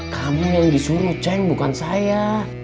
kamu yang di suruh ceng bukan saya